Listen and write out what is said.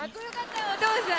お父さん！